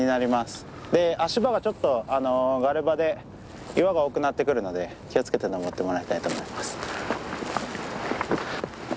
で足場がちょっとガレ場で岩が多くなってくるので気を付けて登ってもらいたいと思います。